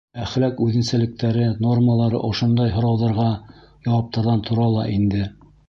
Әхлаҡ үҙенсәлектәре, нормалары ошондай һорауҙарға яуаптарҙан тора ла инде.